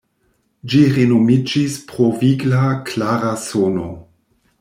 Ĝi renomiĝis pro vigla, klara sono.